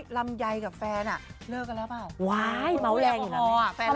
รำยัยกับแฟนเลิกกันแล้วเปล่า